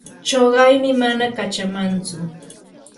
chuqaymi mana kachamantsu.